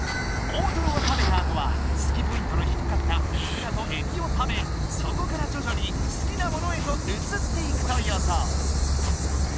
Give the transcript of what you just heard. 大トロを食べたあとは好きポイントのひくかったいくらとえびを食べそこからじょじょに好きなものへとうつっていくとよそう。